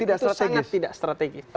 itu sangat tidak strategis